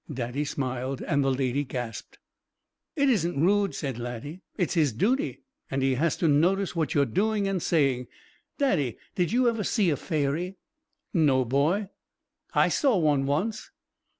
Daddy smiled, and the Lady gasped. "It isn't rude," said Laddie. "It is His duty, and He has to notice what you are doing and saying. Daddy, did you ever see a fairy?" "No, boy." "I saw one once."